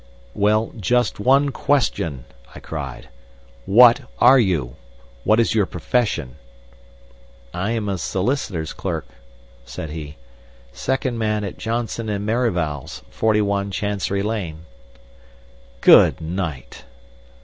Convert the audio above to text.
"Well, just one question," I cried. "What are you? What is your profession?" "I am a solicitor's clerk," said he. "Second man at Johnson and Merivale's, 41 Chancery Lane." "Good night!"